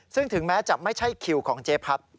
ซึ่งถึงแม้จะไม่ใช่คิวของเจ๊พัด